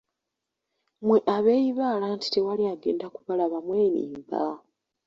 Mmwe abeeyibaala nti tewali agenda kubalaba mwerimba.